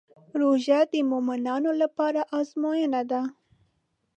روژه د مؤمنانو لپاره ازموینه ده.